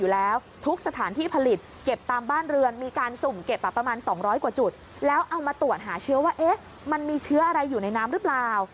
ทุกสถานที่ผลิตเก็บตามบ้านเรือนมีการสุ่มเก็บประมาณ๒๐๐กว่าจุดแล้วเอามาตรวจหาเชื้อว่ามันมีเชื้ออะไรอยู่ในน้ำหรือเปล่า